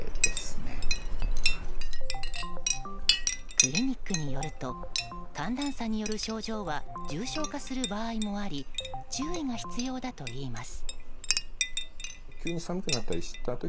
クリニックによると寒暖差による症状は重症化する場合もあり注意が必要だといいます。